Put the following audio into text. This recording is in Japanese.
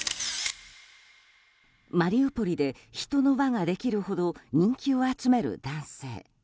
マリウポリで人の輪ができるほど人気を集める男性。